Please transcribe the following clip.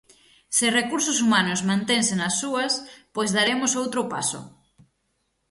Se Recursos Humanos mantense nas súas pois daremos outro paso.